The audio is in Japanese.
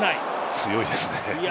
強いですね。